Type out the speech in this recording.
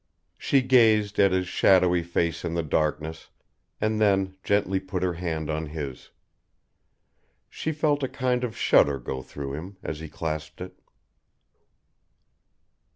She gazed at his shadowy face in the darkness, and then gently put her hand on his. She felt a kind of shudder go through him as he clasped it.